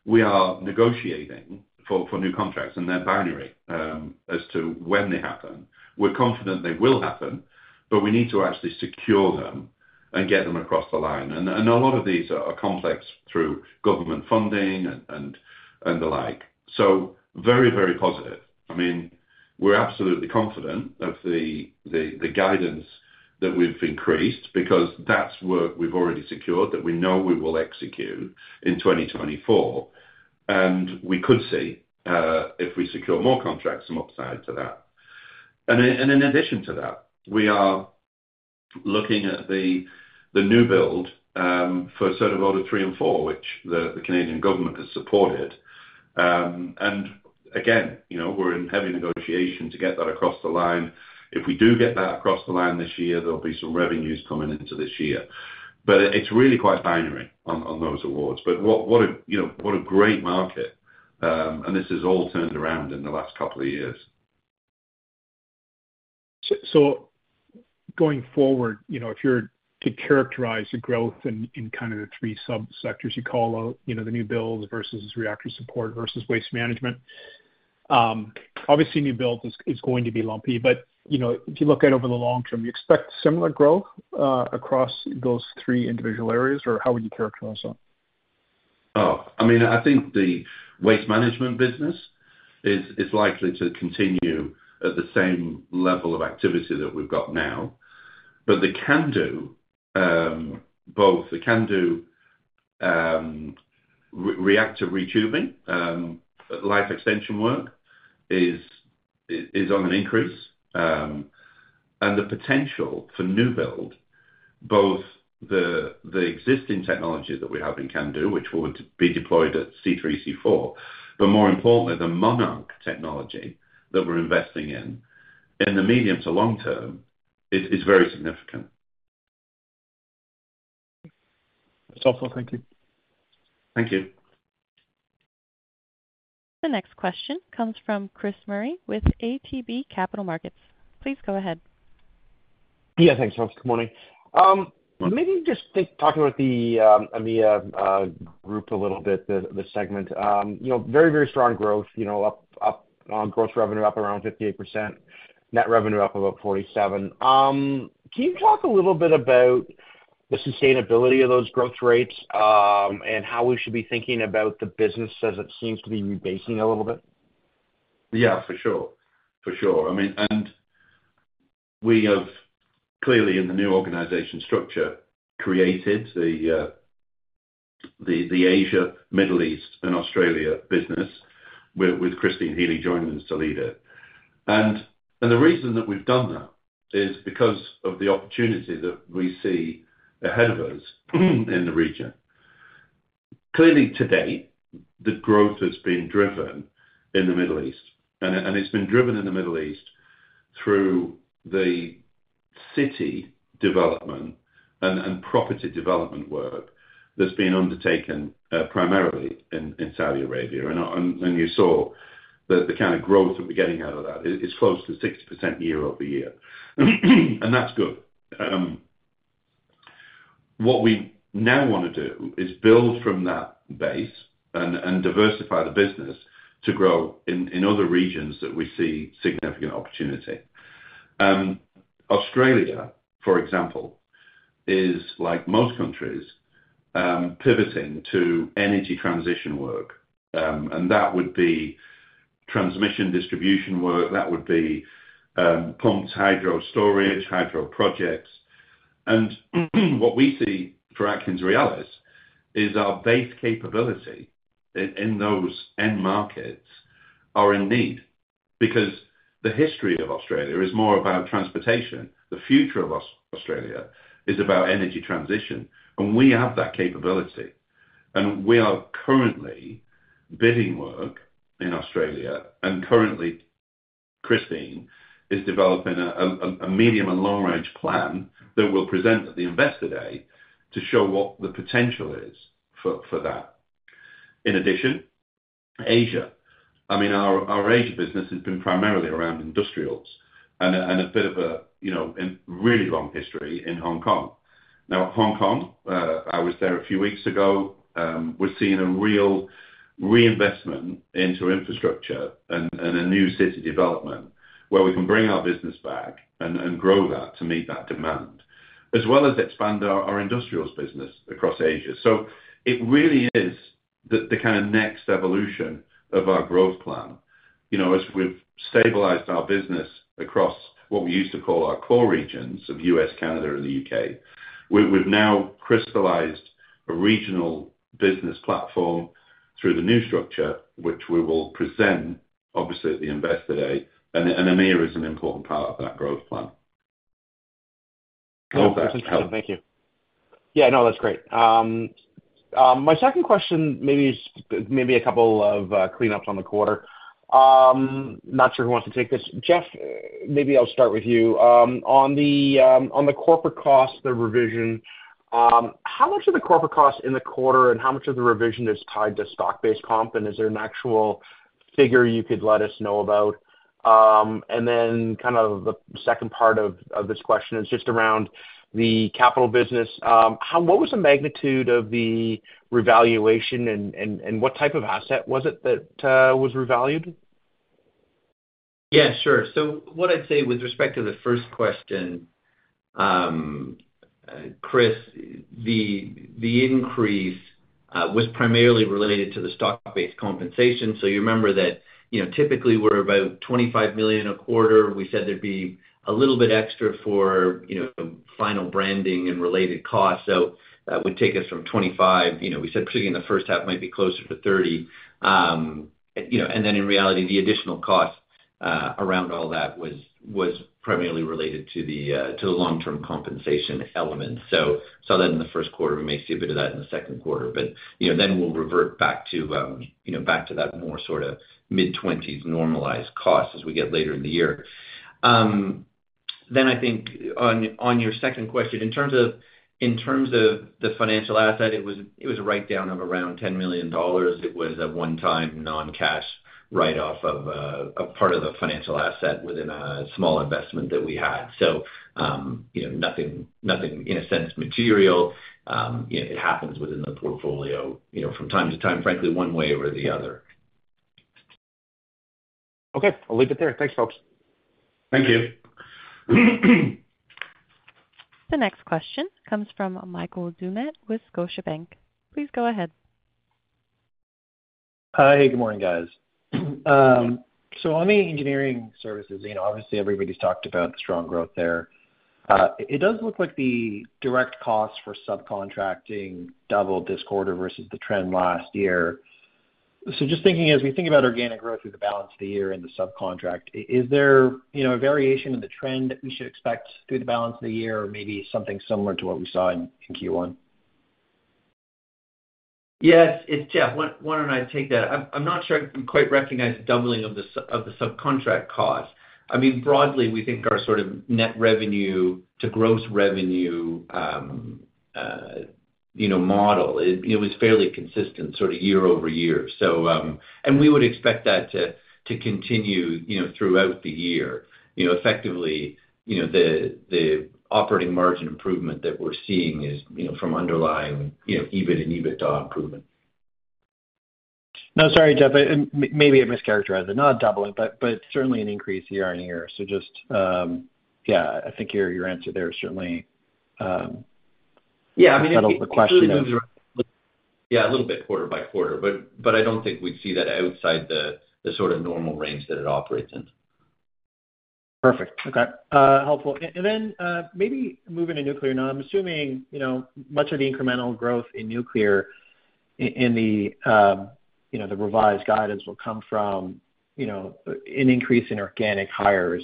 we are negotiating for new contracts, and they're binary as to when they happen. We're confident they will happen, but we need to actually secure them and get them across the line. A lot of these are complex through government funding and the like. So very, very positive. I mean, we're absolutely confident of the guidance that we've increased because that's work we've already secured, that we know we will execute in 2024. And we could see if we secure more contracts, some upside to that. And in addition to that, we are looking at the new build for Cernavodă 3 and Cernavodă 4, which the Canadian government has supported. And again, you know, we're in heavy negotiation to get that across the line. If we do get that across the line this year, there'll be some revenues coming into this year, but it's really quite binary on those awards. But what a great market, you know, and this has all turned around in the last couple of years. So going forward, you know, if you're to characterize the growth in kind of the three sub-sectors you call out, you know, the new builds versus reactor support versus waste management. Obviously, new build is going to be lumpy, but, you know, if you look at over the long term, you expect similar growth across those three individual areas, or how would you characterize that? Oh, I mean, I think the waste management business is likely to continue at the same level of activity that we've got now. But the CANDU, both the CANDU reactor retubing life extension work is on an increase. And the potential for new build, both the existing technologies that we have in CANDU, which would be deployed at C3, C4, but more importantly, the Monark technology that we're investing in, in the medium to long term is very significant. That's all. Thank you. Thank you. The next question comes from Chris Murray with ATB Capital Markets. Please go ahead. Yeah, thanks, folks. Good morning. Maybe just talking about the AMEA group a little bit, the segment. You know, very, very strong growth, you know, up on gross revenue up around 58%, net revenue up about 47%. Can you talk a little bit about the sustainability of those growth rates, and how we should be thinking about the business as it seems to be rebasing a little bit? Yeah, for sure. For sure. I mean, and we have clearly in the new organization structure created the Asia, Middle East, and Australia business with Christine Healy joining us to lead it. And the reason that we've done that is because of the opportunity that we see ahead of us, in the region. Clearly, to date, the growth has been driven in the Middle East, and it's been driven in the Middle East through the city development and property development work that's been undertaken, primarily in Saudi Arabia. And you saw the kind of growth that we're getting out of that is close to 60% year-over-year. And that's good. What we now want to do is build from that base and diversify the business to grow in other regions that we see significant opportunity. Australia, for example, is like most countries, pivoting to energy transition work. And that would be transmission distribution work, that would be, pumps, hydro storage, hydro projects. And what we see for AtkinsRéalis is our base capability in those end markets are in need, because the history of Australia is more about transportation. The future of Australia is about energy transition, and we have that capability. And we are currently bidding work in Australia, and currently, Christine is developing a medium- and long-range plan that will present at the Investor Day to show what the potential is for that. In addition, Asia. I mean, our Asia business has been primarily around industrials and a bit of a, you know, really long history in Hong Kong. Now, Hong Kong, I was there a few weeks ago. We're seeing a real reinvestment into infrastructure and a new city development where we can bring our business back and grow that to meet that demand, as well as expand our industrials business across Asia. So it really is the kind of next evolution of our growth plan. You know, as we've stabilized our business across what we used to call our core regions of U.S., Canada, and the U.K., we've now crystallized a regional business platform through the new structure, which we will present obviously at the Investor Day, and AMEA is an important part of that growth plan. Thank you. Yeah, no, that's great. My second question, maybe is, maybe a couple of cleanups on the quarter. Not sure who wants to take this. Jeff, maybe I'll start with you. On the corporate cost, the revision, how much of the corporate cost in the quarter and how much of the revision is tied to stock-based comp, and is there an actual figure you could let us know about? And then kind of the second part of this question is just around the capital business. What was the magnitude of the revaluation, and what type of asset was it that was revalued? Yeah, sure. So what I'd say with respect to the first question, Chris, the increase was primarily related to the stock-based compensation. So you remember that, you know, typically, we're about 25 million a quarter. We said there'd be a little bit extra for, you know, final branding and related costs. So that would take us from 25 million, you know, we said particularly in the first half, might be closer to 30 million. You know, and then in reality, the additional cost around all that was primarily related to the long-term compensation element. So then in the first quarter, we may see a bit of that in the second quarter. But, you know, then we'll revert back to, you know, back to that more sort of mid-20s normalized cost as we get later in the year. Then I think on your second question, in terms of the financial asset, it was a write down of around 10 million dollars. It was a one-time non-cash write-off of a part of the financial asset within a small investment that we had. So, you know, nothing, nothing, in a sense, material. You know, it happens within the portfolio, you know, from time to time, frankly, one way or the other. Okay. I'll leave it there. Thanks, folks. Thank you. The next question comes from Michael Doumet with Scotiabank. Please go ahead. Hi, good morning, guys. So on the engineering services, you know, obviously, everybody's talked about the strong growth there. It does look like the direct cost for subcontracting doubled this quarter versus the trend last year. So just thinking, as we think about organic growth through the balance of the year and the subcontract, is there, you know, a variation in the trend that we should expect through the balance of the year or maybe something similar to what we saw in Q1? Yes, it's Jeff. Why don't I take that? I'm not sure I quite recognize the doubling of the subcontract cost. I mean, broadly, we think our sort of net revenue to gross revenue, you know, model. It was fairly consistent sort of year-over-year. So, we would expect that to continue, you know, throughout the year. You know, effectively, you know, the operating margin improvement that we're seeing is, you know, from underlying, you know, EBIT and EBITDA improvement. No, sorry, Jeff, but maybe I mischaracterized it. Not doubling, but certainly an increase year-over-year. So just yeah, I think your answer there certainly. Yeah, I mean- settles the question of Yeah, a little bit quarter by quarter, but, but I don't think we'd see that outside the, the sort of normal range that it operates in. Perfect. Okay, helpful. And then, maybe moving to nuclear now. I'm assuming, you know, much of the incremental growth in nuclear in the, you know, the revised guidance will come from, you know, an increase in organic hires,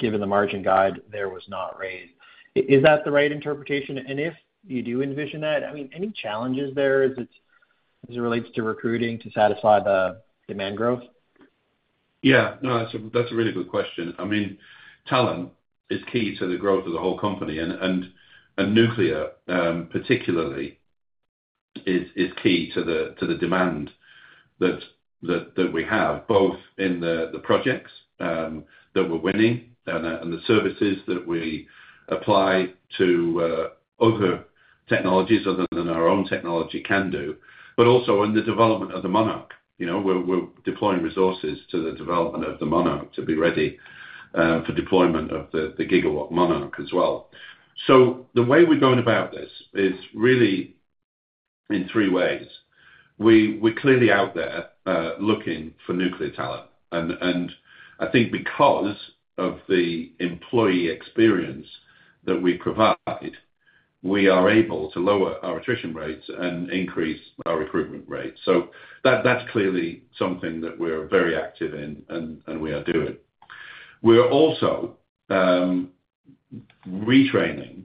given the margin guide, there was not raised. Is that the right interpretation? And if you do envision that, I mean, any challenges there as it relates to recruiting to satisfy the demand growth? Yeah. No, that's a really good question. I mean, talent is key to the growth of the whole company, and nuclear, particularly is key to the demand that we have, both in the projects that we're winning, and the services that we apply to other technologies other than our own technology can do, but also in the development of the Monark. You know, we're deploying resources to the development of the Monark to be ready for deployment of the gigawatt Monark as well. So the way we're going about this is really in three ways. We're clearly out there looking for nuclear talent, and I think because of the employee experience that we provide, we are able to lower our attrition rates and increase our recruitment rates. So that's clearly something that we're very active in, and we are doing. We're also retraining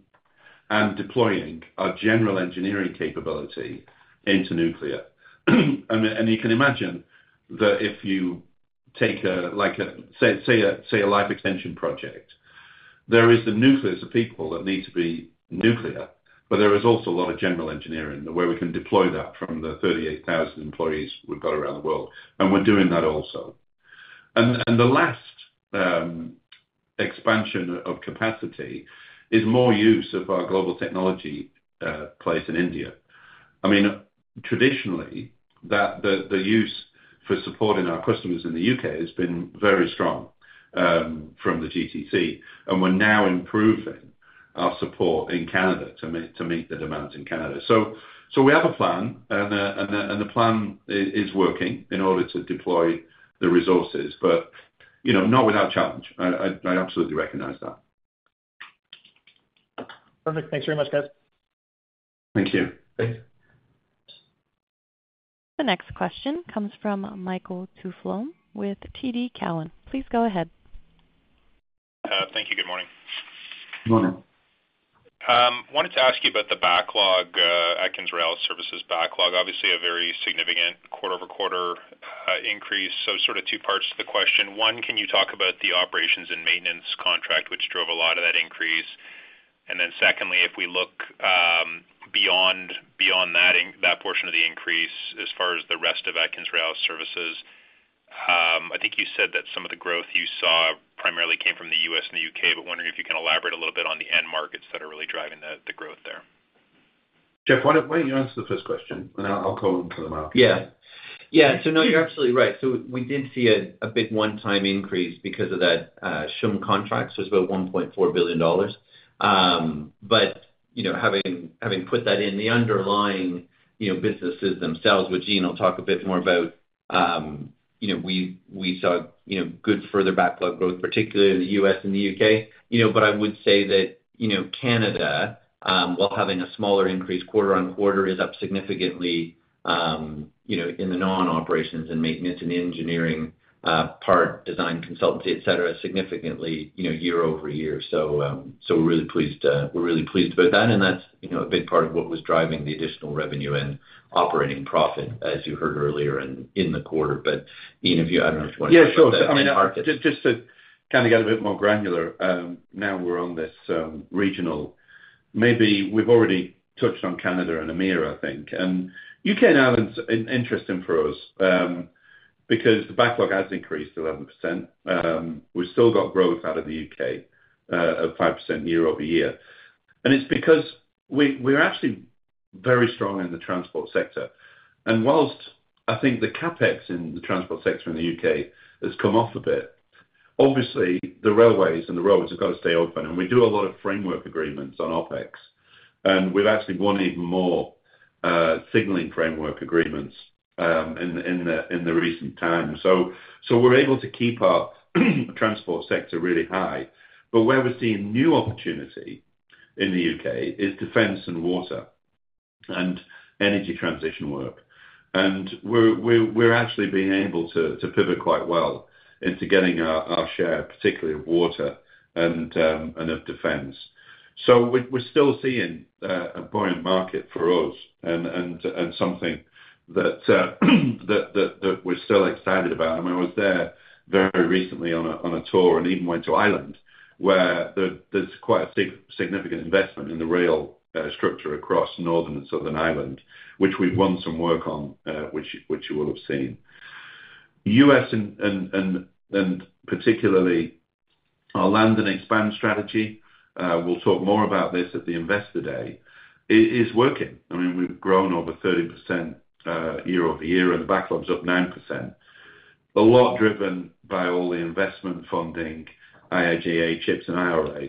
and deploying our general engineering capability into nuclear. And you can imagine that if you take a, like a, say, life extension project. There is the nucleus of people that need to be nuclear, but there is also a lot of general engineering where we can deploy that from the 38,000 employees we've got around the world, and we're doing that also. And the last expansion of capacity is more use of our global technology place in India. I mean, traditionally, the use for supporting our customers in the U.K. has been very strong from the GTC, and we're now improving our support in Canada to meet the demands in Canada. So we have a plan, and the plan is working in order to deploy the resources, but, you know, not without challenge. I absolutely recognize that. Perfect. Thanks very much, guys. Thank you. Thanks. The next question comes from Michael Tupholme with TD Cowen. Please go ahead. Thank you. Good morning. Good morning. Wanted to ask you about the backlog at AtkinsRéalis Services backlog. Obviously, a very significant quarter-over-quarter increase. So sort of two parts to the question. One, can you talk about the operations and maintenance contract, which drove a lot of that increase? And then secondly, if we look beyond that portion of the increase as far as the rest of AtkinsRéalis, I think you said that some of the growth you saw primarily came from the U.S. and the U.K., but wondering if you can elaborate a little bit on the end markets that are really driving the growth there. Jeff, why don't you answer the first question, and I'll cover the market? Yeah. Yeah, so no, you're absolutely right. So we did see a big one-time increase because of that CHUM contract, so it's about 1.4 billion dollars. But, you know, having put that in the underlying, you know, businesses themselves, which Ian will talk a bit more about, you know, we saw good further backlog growth, particularly in the U.S. and the U.K. You know, but I would say that, you know, Canada, while having a smaller increase quarter-over-quarter, is up significantly, you know, in the non-operations and maintenance and engineering part, design, consultancy, et cetera, significantly, you know, year-over-year. So, so we're really pleased, we're really pleased about that, and that's, you know, a big part of what was driving the additional revenue and operating profit, as you heard earlier in, in the quarter. But Ian, if you... I don't know if you wanna talk about the end markets. Yeah, sure. I mean, just to kind of get a bit more granular, now we're on this regional, maybe we've already touched on Canada and Americas, I think. U.K. now is interesting for us, because the backlog has increased 11%. We've still got growth out of the U.K. of 5% year-over-year. It's because we're actually very strong in the transport sector. Whilst I think the CapEx in the transport sector in the U.K. has come off a bit, obviously the railways and the roads have got to stay open, and we do a lot of framework agreements on OpEx, and we've actually won even more signaling framework agreements in the recent times. So we're able to keep our transport sector really high. But where we're seeing new opportunity in the U.K. is defense and water, and energy transition work. We're actually being able to pivot quite well into getting our share, particularly of water and of defense. So we're still seeing a buoyant market for us and something that we're still excited about. I mean, I was there very recently on a tour and even went to Ireland, where there's quite a significant investment in the rail structure across Northern and southern Ireland, which we've won some work on, which you will have seen. U.S. and particularly our land and expand strategy, we'll talk more about this at the Investor Day, is working. I mean, we've grown over 30%, year-over-year, and the backlog's up 9%. A lot driven by all the investment funding, IIJA, CHIPS and IRA.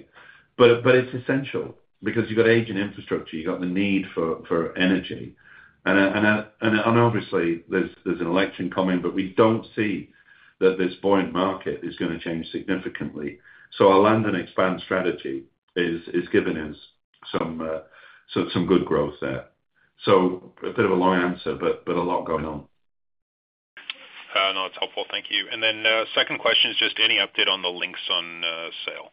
But it's essential because you've got aging infrastructure, you've got the need for energy. And obviously there's an election coming, but we don't see that this buoyant market is gonna change significantly. So our land and expand strategy is giving us some good growth there. So a bit of a long answer, but a lot going on. No, it's helpful. Thank you. And then, second question is, just any update on the Linxon sale?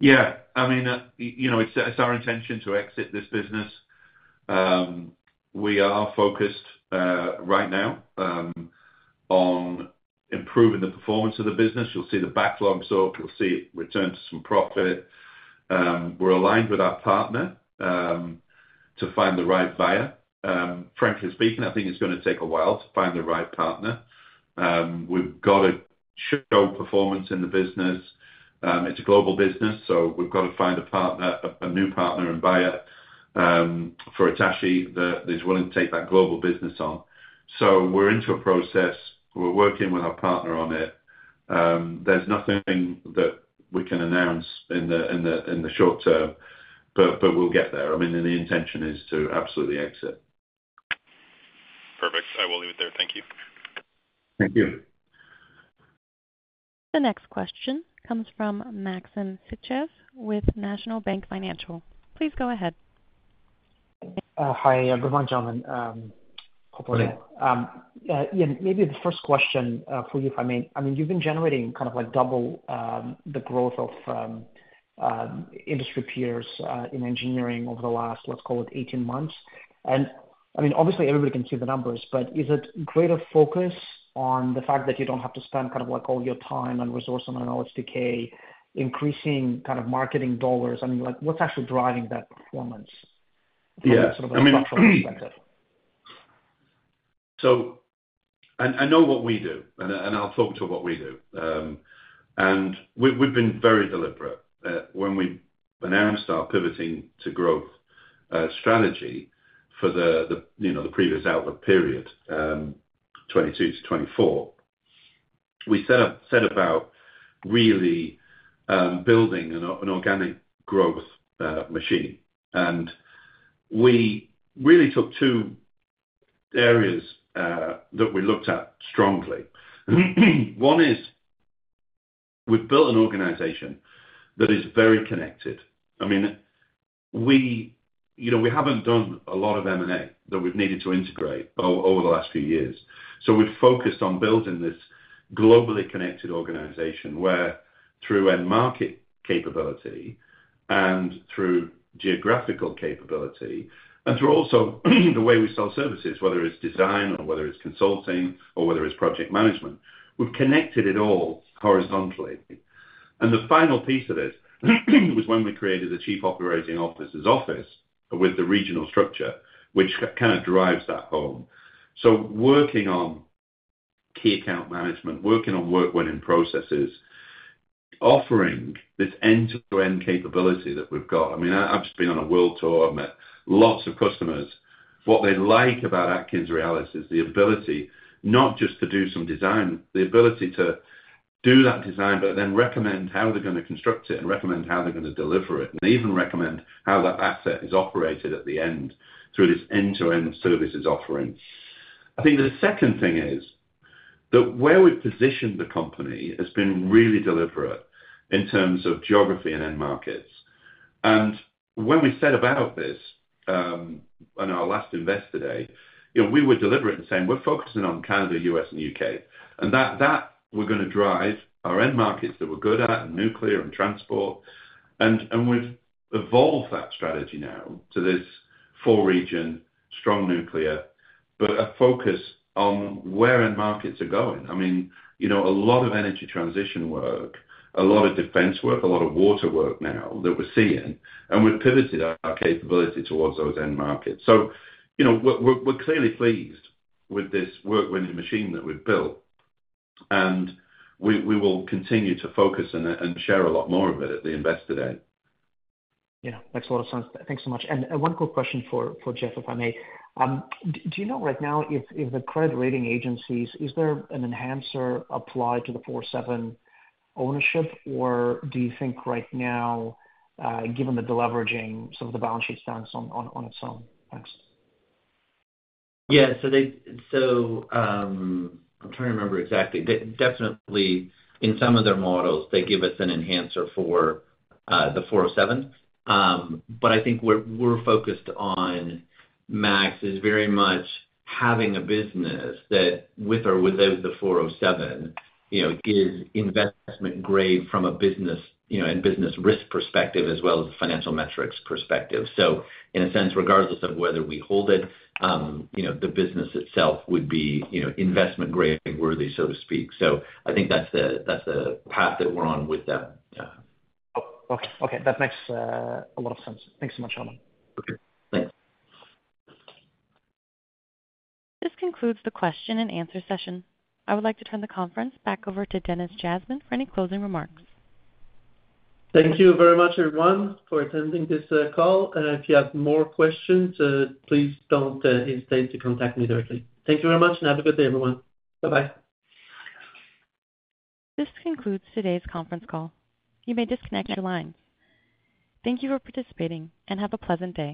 Yeah. I mean, you know, it's our intention to exit this business. We are focused right now on improving the performance of the business. You'll see the backlog's up, you'll see it return to some profit. We're aligned with our partner to find the right buyer. Frankly speaking, I think it's gonna take a while to find the right partner. We've got to show performance in the business. It's a global business, so we've got to find a partner, a new partner and buyer for Hitachi that is willing to take that global business on. So we're into a process. We're working with our partner on it. There's nothing that we can announce in the short term, but we'll get there. I mean, and the intention is to absolutely exit. Perfect. I will leave it there. Thank you. Thank you. The next question comes from Maxim Sytchev with National Bank Financial. Please go ahead. Hi. Good morning, gentlemen. Hope all well. Good morning. Yeah, maybe the first question for you, if I may. I mean, you've been generating kind of like double the growth of industry peers in engineering over the last, let's call it 18 months. I mean, obviously, everybody can see the numbers, but is it greater focus on the fact that you don't have to spend kind of, like, all your time and resource on an LSTK, increasing kind of marketing dollars? I mean, like, what's actually driving that performance? Yeah, I mean, so I know what we do, and I'll talk to what we do. And we've been very deliberate. When we announced our pivoting to growth strategy for the previous outlook period, you know, 2022 to 2024, we set about really building an organic growth machine. And we really took two areas that we looked at strongly. One is we've built an organization that is very connected. I mean, we, you know, we haven't done a lot of M&A that we've needed to integrate over the last few years, so we've focused on building this globally connected organization, where through end market capability and through geographical capability and through also the way we sell services, whether it's design or whether it's consulting or whether it's project management, we've connected it all horizontally. And the final piece of this was when we created the Chief Operating Officer’s office with the regional structure, which kind of drives that home. So working on key account management, working on work-winning processes, offering this end-to-end capability that we've got. I mean, I've just been on a world tour. I've met lots of customers. What they like about AtkinsRéalis is the ability not just to do some design, the ability to do that design, but then recommend how they're gonna construct it and recommend how they're gonna deliver it, and even recommend how that asset is operated at the end, through this end-to-end services offering. I think the second thing is, that where we've positioned the company has been really deliberate in terms of geography and end markets. And when we set about this, on our last Investor Day, you know, we were deliberate in saying, "We're focusing on Canada, U.S., and U.K.," and that, that we're gonna drive our end markets that we're good at, nuclear and transport. And we've evolved that strategy now to this four-region, strong nuclear, but a focus on where end markets are going. I mean, you know, a lot of energy transition work, a lot of defense work, a lot of water work now that we're seeing, and we've pivoted our capability towards those end markets. So, you know, we're clearly pleased with this work winning machine that we've built, and we will continue to focus and share a lot more of it at the Investor Day. Yeah, makes a lot of sense. Thanks so much. And one quick question for Jeff, if I may. Do you know right now if the credit rating agencies, is there an enhancer applied to the 407 ownership, or do you think right now, given the deleveraging, some of the balance sheet stands on its own? Thanks. Yeah, so I'm trying to remember exactly. Definitely, in some of their models, they give us an enhancer for the 407. But I think where we're focused on, Max, is very much having a business that with or without the 407, you know, is investment grade from a business, you know, and business risk perspective, as well as financial metrics perspective. So in a sense, regardless of whether we hold it, you know, the business itself would be, you know, investment grade worthy, so to speak. So I think that's the path that we're on with that, yeah. Oh, okay. Okay, that makes a lot of sense. Thanks so much, gentlemen. Okay, thanks. This concludes the question and answer session. I would like to turn the conference back over to Denis Jasmin for any closing remarks. Thank you very much, everyone, for attending this call, and if you have more questions, please don't hesitate to contact me directly. Thank you very much, and have a good day, everyone. Bye-bye. This concludes today's conference call. You may disconnect your lines. Thank you for participating, and have a pleasant day.